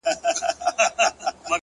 پوه انسان د حقیقت قدر کوي